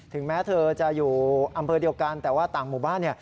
แม้เธอจะอยู่อำเภอเดียวกันแต่ว่าต่างหมู่บ้านเนี่ย